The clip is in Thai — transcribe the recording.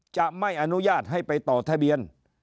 จะไม่อนุญาตให้ไปต่อทะเบียน